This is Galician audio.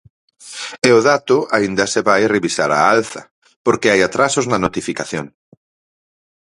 E o dato aínda se vai revisar á alza, porque hai atrasos na notificación.